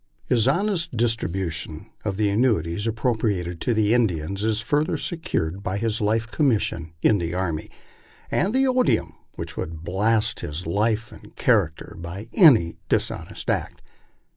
His honest dis tribution of the annuities appropriated to the Indians is further secured by his life commission in the army, and the odium which would blast his life and character by any dishonest act.